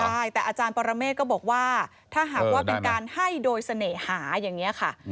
ใช่แต่อาจารย์ปรเมฆก็บอกว่าถ้าหากว่าเป็นการให้โดยเสน่หาอย่างนี้ค่ะ